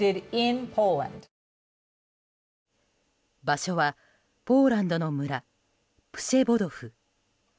場所はポーランドの村プシェボドフ。